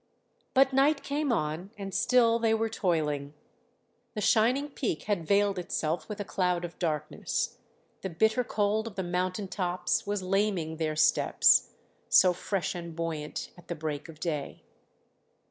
But night came on, and still they were toiling. The shining peak had veiled itself with a cloud of darkness; the bitter cold of the mountain tops was laming their steps, so fresh and buoyant at the break of day.